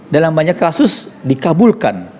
dalam banyak kasus dikabulkan